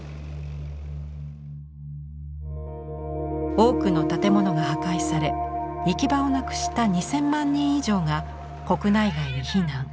多くの建物が破壊され行き場をなくした２０００万人以上が国内外に避難。